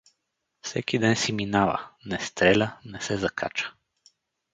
Всеки ден си минава, не стреля, не се закача.